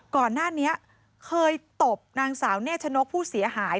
ก่อนหน้านี้เคยตบนางสาวเนชนกผู้เสียหาย